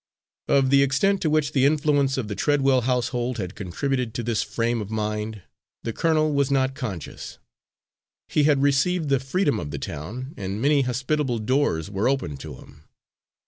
Of the extent to which the influence of the Treadwell household had contributed to this frame of mind, the colonel was not conscious. He had received the freedom of the town, and many hospitable doors were open to him.